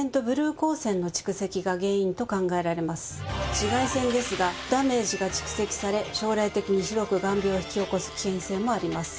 紫外線ですがダメージが蓄積され将来的に広く眼病を引き起こす危険性もあります。